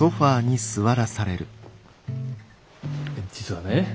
実はね